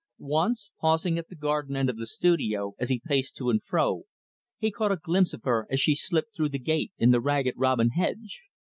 Once, pausing at the garden end of the studio as he paced to and fro, he caught a glimpse of her as she slipped through the gate in the Ragged Robin hedge.